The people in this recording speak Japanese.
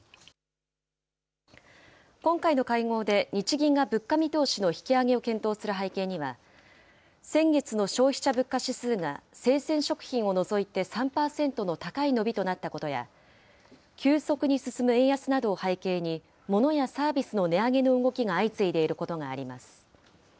今回の会合で日銀が物価見通しの引き上げを検討する背景には、先月の消費者物価指数が生鮮食品を除いて３％の高い伸びとなったことや、急速に進む円安などを背景に、モノやサービスの値上げの動きが相次いでいることがあります。